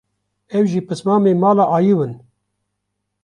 ew jî pismamê mala Ayiw in